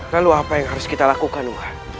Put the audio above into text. lalu apa yang harus kita lakukan wa